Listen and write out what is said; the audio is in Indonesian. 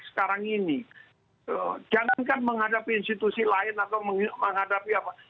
sekarang ini jangankan menghadapi institusi lain atau menghadapi apa